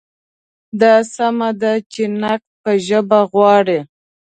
دا سمه ده چې نقد به ژبه غواړي.